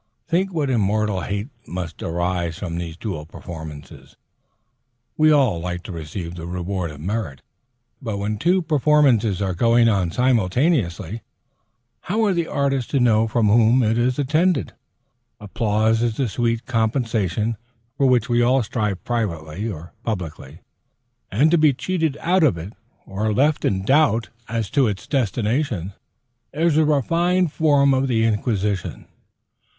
Think what immortal hates must arise from these dual performances! We all like to receive the reward of merit, but when two performances are going on simultaneously, how are the artists to know for whom it is intended? Applause is the sweet compensation for which all strive privately or publicly, and to be cheated out of it, or left in doubt as to its destination, is a refined form of the Inquisition.